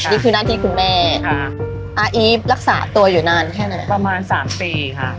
นี่คือหน้าที่คุณแม่อาอีฟรักษาตัวอยู่นานแค่ไหนประมาณสามปีค่ะ